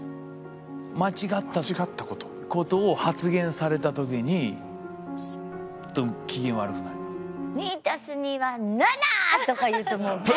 間違った事を発言された時にスッと機嫌悪くなります。とか言うともうね。